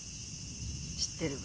知ってるわ。